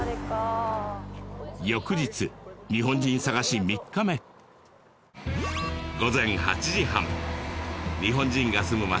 翌日日本人探し３日目午前８時半日本人が住む町